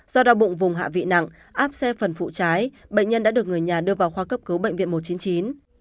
do đau bụng vùng hạ vị nặng áp xe phần phụ cháy bệnh nhân đã được người nhà đưa vào khoa cấp cứu bệnh viện một trăm chín mươi chín